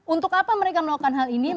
untuk apa mereka melakukan hal ini